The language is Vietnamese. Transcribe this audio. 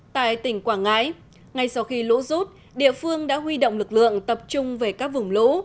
tại tỉnh quảng ngãi ngay sau khi lũ rút địa phương đã huy động lực lượng tập trung về các vùng lũ